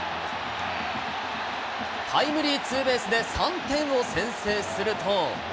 タイムリーツーベースで３点を先制すると。